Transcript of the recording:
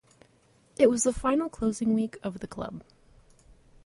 It was the final closing week of the club.